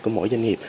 của mỗi doanh nghiệp